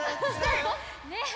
ねえ！